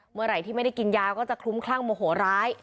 เมื่อไหร่ที่ไม่ได้กินยาก็จะคลุ้มคลั่งโมโหร้าย